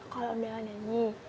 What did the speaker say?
kalau undangan nyanyi